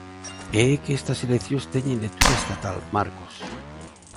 E é que estas eleccións teñen lectura estatal, Marcos...